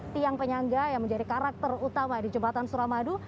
tiang penyangga yang menjadi karakter utama di jembatan suramadu